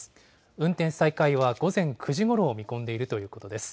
運転再開は午前９時ごろを見込んでいるということです。